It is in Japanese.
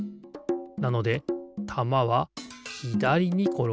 なのでたまはひだりにころがる。